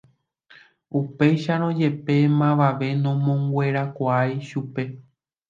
Upéicharõ jepe mavave nomonguerakuaái chupe.